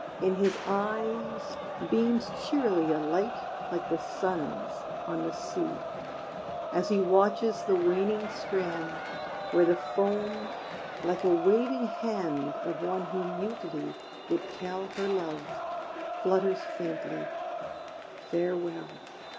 In his eyes beams cheerily A light like the sun's on the sea, As he watches the waning strand, Where the foam, like a waving hand Of one who mutely would tell Her love, flutters faintly, "Farewell."